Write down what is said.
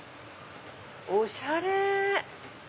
おしゃれ！